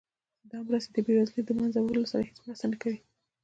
دا مرستې د بیوزلۍ د له مینځه وړلو سره هیڅ مرسته نه کوي.